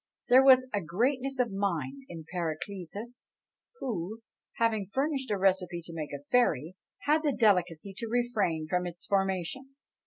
There was a greatness of mind in Paracelsus, who, having furnished a recipe to make a fairy, had the delicacy to refrain from its formation.